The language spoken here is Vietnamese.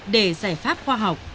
để giải pháp khoa học